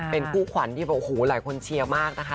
เป็นคู่ขวัญที่โอ้โหหลายคนเชียร์มากนะคะ